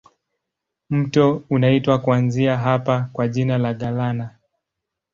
Mto unaitwa kuanzia hapa kwa jina la Galana.